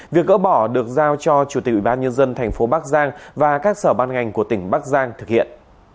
việc gỡ bỏ được giao cho chủ tịch ủy ban nhân dân thành phố bắc giang và các sở ban ngành của tỉnh bắc giang thực hiện